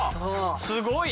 すごい！